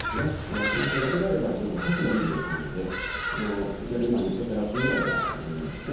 白内障だけであれば非常にたちがいい病気なので逆に見つかってラッキーぐらいな感じなんですね。